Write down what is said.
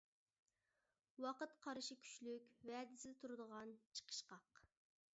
ۋاقىت قارىشى كۈچلۈك، ۋەدىسىدە تۇرىدىغان، چىقىشقاق.